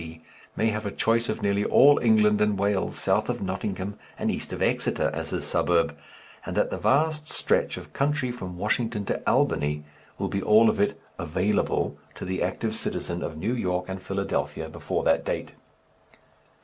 D. may have a choice of nearly all England and Wales south of Nottingham and east of Exeter as his suburb, and that the vast stretch of country from Washington to Albany will be all of it "available" to the active citizen of New York and Philadelphia before that date.